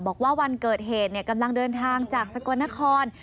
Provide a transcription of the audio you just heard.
บอกว่าวันเกิดเหตุกำลังเดินทางจากสกลนคร